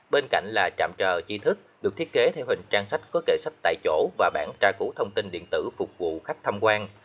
bên cạnh là trạm chờ chi thức được thiết kế theo hình trang sách có kệ sách tại chỗ và bản tra cứu thông tin điện tử phục vụ khách tham quan